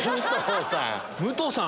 武藤さん！